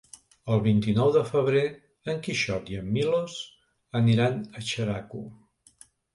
El vint-i-nou de febrer en Quixot i en Milos aniran a Xeraco.